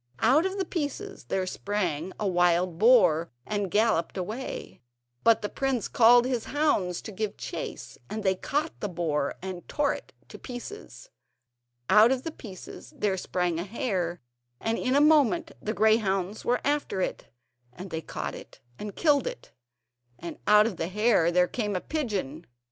Out of the pieces there sprang a wild boar and galloped away, but the prince called his hounds to give chase, and they caught the boar and tore it to bits. Out of the pieces there sprang a hare, and in a moment the greyhounds were after it, and they caught it and killed it; and out of the hare there came a pigeon.